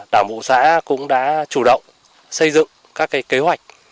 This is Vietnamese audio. đảng bộ xã cũng đã chủ động xây dựng các kế hoạch